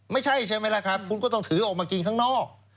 ไม่ใช่ใช่ไหมล่ะครับคุณก็ต้องถือออกมากินข้างนอก